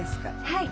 はい。